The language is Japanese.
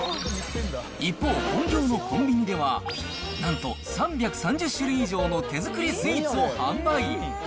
一方、本業のコンビニではなんと、３３０種類以上の手作りスイーツを販売。